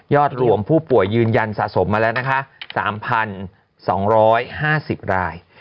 รวมผู้ป่วยยืนยันสะสมมาแล้วนะคะ๓๒๕๐ราย